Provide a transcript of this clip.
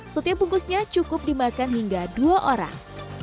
setiap bungkusnya cukup dimakan hingga dua orang